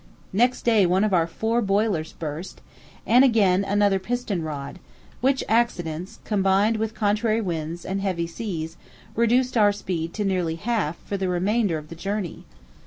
Next day one of our four boilers burst, and again another piston rod; which accidents, combined with contrary winds and heavy seas, reduced our speed to nearly half for the remainder of the journey.